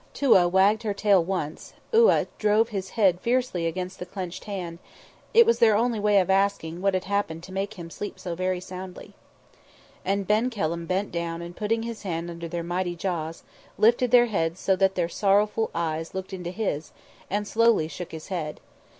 Touaa wagged her tail once, Iouaa drove his head fiercely against the clenched hand, it was their only way of asking what had happened to make Him sleep so very soundly. And Ben Kelham bent down and, putting his hand under their mighty jaws, lifted their heads so that their sorrowful eyes looked into his, and slowly shook his head.